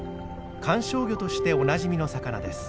観賞魚としておなじみの魚です。